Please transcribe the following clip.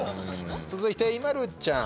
続いてＩＭＡＬＵちゃん。